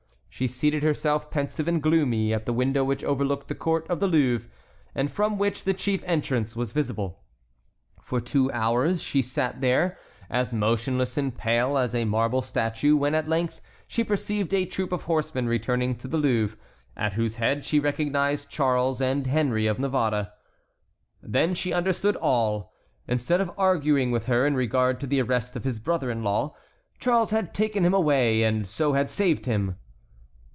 She seated herself, pensive and gloomy, at the window which overlooked the court of the Louvre, and from which the chief entrance was visible. For two hours she sat there, as motionless and pale as a marble statue, when at length she perceived a troop of horsemen returning to the Louvre, at whose head she recognized Charles and Henry of Navarre. Then she understood all. Instead of arguing with her in regard to the arrest of his brother in law, Charles had taken him away and so had saved him.